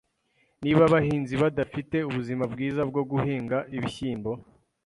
Niba abahinzi badafite ubuzima bwiza bwo guhinga ibishyimbo,